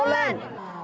một hai ba cố lên